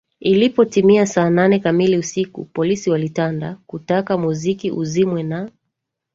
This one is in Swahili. ilipotimu saa nane kamili usiku Polisi walitanda kutaka muziki uzimwe na